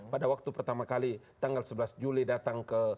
pada waktu pertama kali tanggal sebelas juli datang ke